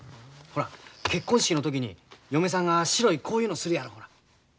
ほら結婚式の時に嫁さんが白いこういうのするやろ。